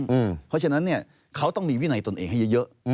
เพราะฉะนั้นเขาต้องมีวินัยตนเองให้เยอะ